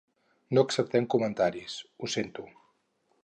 No acceptem comentaris, ho sento.